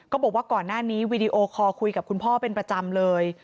บอกว่าก่อนหน้านี้วีดีโอคอลคุยกับคุณพ่อเป็นประจำเลย